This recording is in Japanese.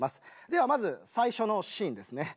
ではまず最初のシーンですね。